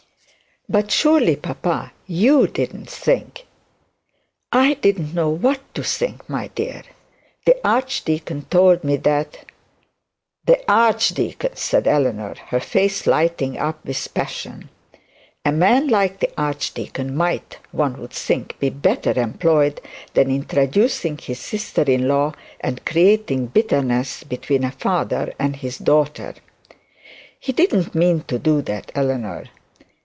'But surely, papa, you didn't think ' 'I didn't know what to think, my dear. The archdeacon told me that ' 'The archdeacon!' said Eleanor, her face lighting up with passion. 'A man like the archdeacon might, one would think, be better employed than in traducing his sister in law, and creating bitterness between a father and his daughter.' 'He didn't mean to that, Eleanor.'